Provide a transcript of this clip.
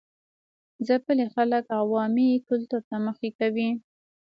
ځپلي خلک عوامي کلتور ته مخه کوي.